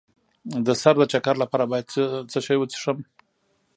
د سر د چکر لپاره باید څه شی وڅښم؟